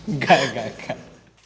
enggak enggak enggak